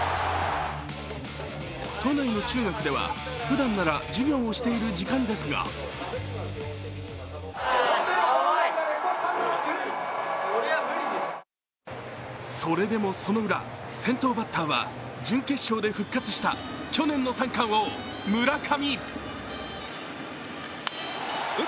都内の中学では、ふだんなら授業をしている時間ですがそれでもそのウラ、先頭バッターは準決勝で復活した去年の三冠王・村上。